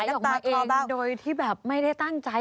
ด้วยที่แบบไม่ได้ตั้งใจ